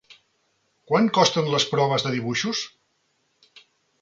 Quant costen les proves de dibuixos?